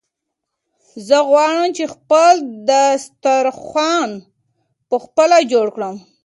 زه غواړم چې خپل د ستارو یخن په خپله جوړ کړم.